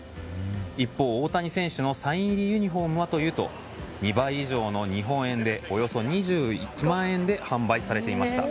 一方、大谷選手のサイン入りユニホームは２倍以上の日本円でおよそ２１万円で販売されていました。